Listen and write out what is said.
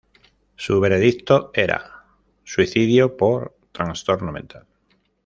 Su veredicto era, "Suicidio, por trastorno mental".